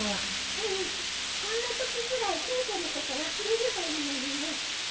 うんこんなときくらい選挙のこと忘れればいいのにね。